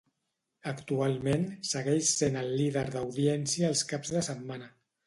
Actualment, segueix sent el líder d'audiència els caps de setmana.